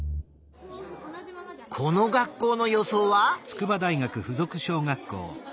この学校の予想は？